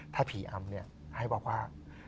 ถ้าผีอำเนี่ยให้บอกว่า